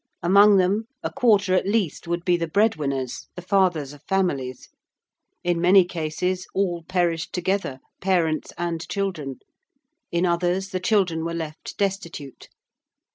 Among them, a quarter at least, would be the breadwinners, the fathers of families. In many cases all perished together, parents and children: in others, the children were left destitute.